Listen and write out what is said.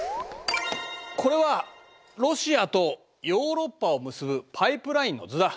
これはロシアとヨーロッパを結ぶパイプラインの図だ。